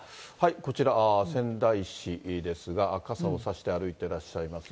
こちら、仙台市ですが、傘を差して歩いてらっしゃいます。